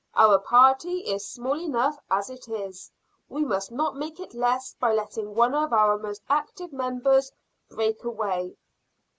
Our party is small enough as it is; we must not make it less by letting one of our most active members break away."